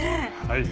はい。